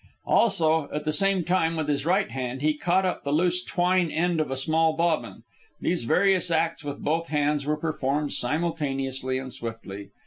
Also, at the same time, with his right hand, he caught up the loose twine end of a small bobbin. These various acts with both hands were performed simultaneously and swiftly.